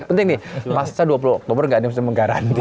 penting nih pas kan dua puluh oktober nggak ada yang bisa menggaranti